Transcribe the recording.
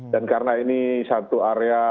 dan karena ini satu area